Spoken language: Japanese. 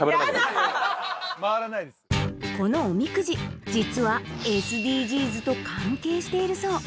このおみくじ実はＳＤＧｓと関係しているそう